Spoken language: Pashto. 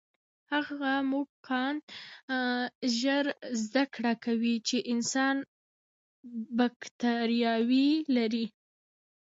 هغه موږکان ژر زده کړه کوي چې انسان بکتریاوې لري.